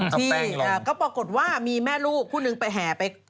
ที่ก็ปรากฏว่ามีแม่ลูกคู่นึงไปแห่ไป